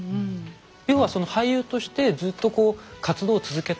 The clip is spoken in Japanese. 要はその俳優としてずっとこう活動を続けたい。